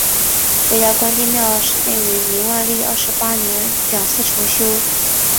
扶摇关帝庙始建于明万历二十八年两次重修。